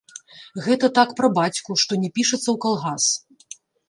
Гэта так пра бацьку, што не пішацца ў калгас.